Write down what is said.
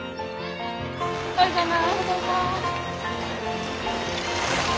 おはようございます。